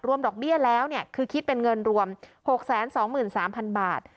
รวมดอกเบี้ยแล้วเนี่ยคือคิดเป็นเงินรวมหกแสนสองหมื่นสามพันบาท